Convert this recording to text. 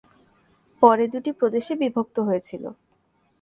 পরে দুটি প্রদেশে বিভক্ত হয়েছিল।